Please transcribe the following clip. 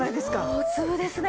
大粒ですね！